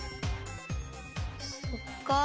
そっか。